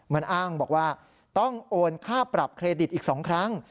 มันอ้างบอกว่าต้องโอนค่าปรับเครดิตอีก๒ครั้ง